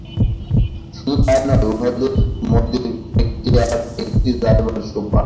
শুধু তাই নয়, উহাদের মধ্যে একটি আর একটিতে যাইবার সোপান।